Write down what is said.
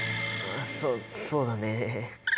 そそうだね。